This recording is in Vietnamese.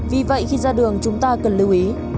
vì vậy khi ra đường chúng ta cần lưu ý